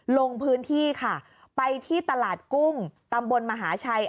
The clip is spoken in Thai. ลงพื้นที่ค่ะไปที่ตลาดกุ้งตำบลมหาชัย